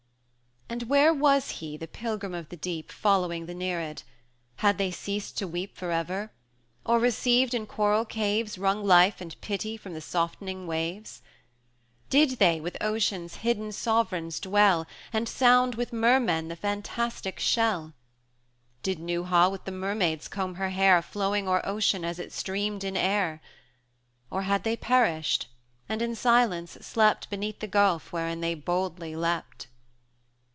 V. And where was he the Pilgrim of the Deep, Following the Nereid? Had they ceased to weep For ever? or, received in coral caves, Wrung life and pity from the softening waves? Did they with Ocean's hidden sovereigns dwell, And sound with Mermen the fantastic shell? 100 Did Neuha with the mermaids comb her hair Flowing o'er ocean as it streamed in air? Or had they perished, and in silence slept Beneath the gulf wherein they boldly leapt?